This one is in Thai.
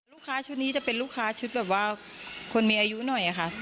ลูกค้าชุดนี้จะเป็นลูกค้าชุดแบบว่าคนมีอายุหน่อยค่ะ